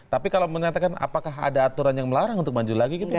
tapi kalau menyatakan apakah ada aturan yang melarang untuk maju lagi gitu